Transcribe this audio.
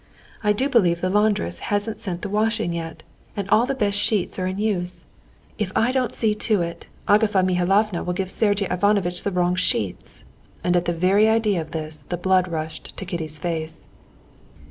"I do believe the laundress hasn't sent the washing yet, and all the best sheets are in use. If I don't see to it, Agafea Mihalovna will give Sergey Ivanovitch the wrong sheets," and at the very idea of this the blood rushed to Kitty's face.